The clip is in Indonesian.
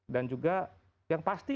dan juga yang pasti